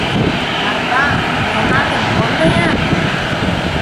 — Марпа, мелнатым кондо-ян!